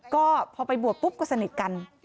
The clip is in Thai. ก็พอไปบวชปุ๊บก็สนิทกัน